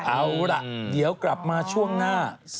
เอาล่ะเดี๋ยวกลับมาช่วงหน้า